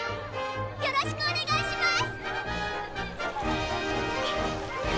よろしくお願いします！